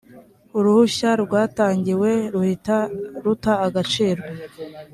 uruhushya rwatangiwe ruhita ruta agaciro